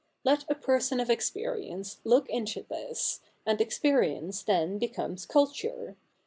Let a person of experience look into this, and experience then becomes culture.